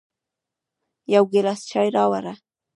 يو ګیلاس چای راوړه